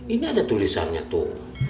ini ada tulisannya tuh